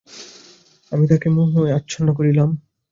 আমি তাকে মোহে আচ্ছন্ন করেছিলাম।